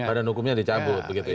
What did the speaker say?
setelah badan hukumnya dicabut begitu ya